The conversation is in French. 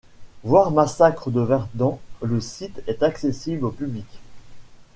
Voir Massacre de Verden Le site est accessible au public.